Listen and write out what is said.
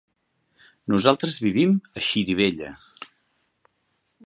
Nosaltres vivim a Xirivella.